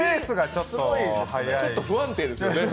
ちょっと不安定ですよね。